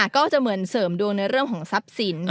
ก็จะเหมือนเสริมดวงในเรื่องของทรัพย์สิน